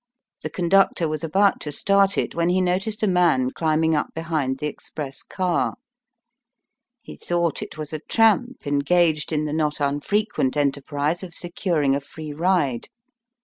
The conductor was about to start it when he noticed a man climbing up behind the express car. He thought it was a tramp engaged in the not unfrequent enter prise of securing a free ride.